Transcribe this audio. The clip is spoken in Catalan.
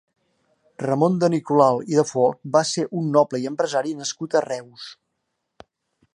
Ramon de Nicolau i de Folch va ser un noble i empresari nascut a Reus.